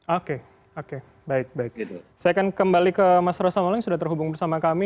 oke oke baik baik saya akan kembali ke mas rosa molang sudah terhubung bersama kami